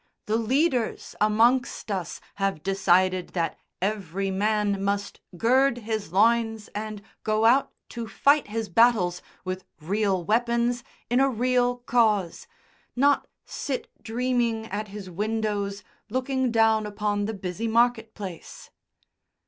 The leaders amongst us have decided that every man must gird his loins and go out to fight his battles with real weapons in a real cause, not sit dreaming at his windows looking down upon the busy market place."